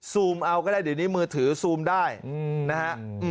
มเอาก็ได้เดี๋ยวนี้มือถือซูมได้นะฮะ